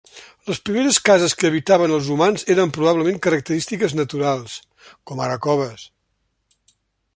Les primeres cases que habitaven els humans eren probablement característiques naturals, com ara coves.